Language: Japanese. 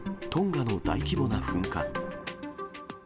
トンガの大規模な噴火。